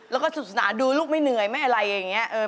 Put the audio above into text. แล้วก็ศาสนาดูลูกไม่เหนื่อยไม่อะไรอย่างนี้